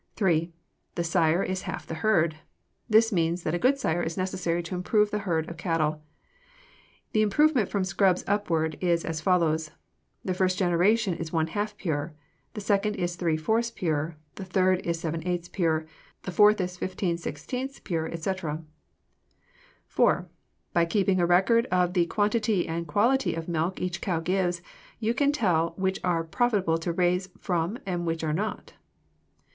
(3) "The sire is half the herd." This means that a good sire is necessary to improve a herd of cattle. The improvement from scrubs upward is as follows: the first generation is one half pure; the second is three fourths pure; the third is seven eighths pure; the fourth is fifteen sixteenths pure, etc. (4) By keeping a record of the quantity and quality of milk each cow gives you can tell which are profitable to raise from and which are not.